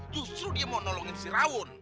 justru dia mau nolongin si rawon